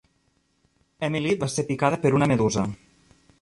Emily va ser picada per una medusa.